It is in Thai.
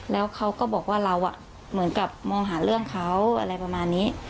แล้วเขาก็บอกว่าเราเหมือนกับมองหาเรื่องเขาอะไรประมาณนี้